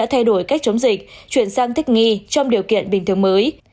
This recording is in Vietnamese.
thay đổi cách chống dịch chuyển sang thích nghi trong điều kiện bình thường mới